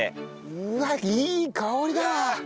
うわっいい香りだわ！